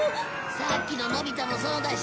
さっきののび太もそうだし